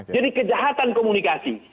jadi kejahatan komunikasi